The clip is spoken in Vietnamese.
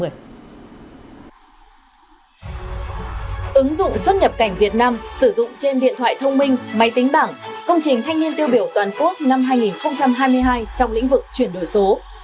ứng dụng xuất nhập cảnh việt nam sử dụng trên điện thoại thông minh máy tính bảng công trình thanh niên tiêu biểu toàn quốc năm hai nghìn hai mươi hai trong lĩnh vực chuyển đổi số